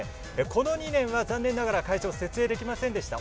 この２年は、残念ながら会場を設営できませんでした。